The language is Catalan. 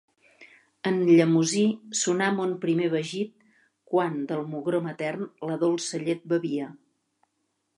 En llemosí sonà mon primer vagit, quan del mugró matern la dolça llet bevia;